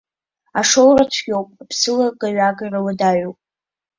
Ашоура цәгьоуп, аԥсылагаҩагара уадаҩуп.